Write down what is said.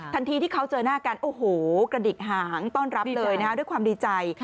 ทันทีที่เขาเจอหน้าการกระดิกหางต้อนรับโดยความดีใจ